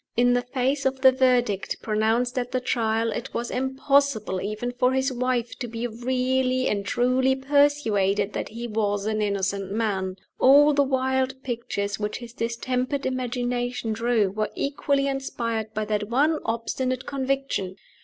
In the face of the verdict pronounced at the Trial, it was impossible even for his wife to be really and truly persuaded that he was an innocent man. All the wild pictures which his distempered imagination drew were equally inspired by that one obstinate conviction.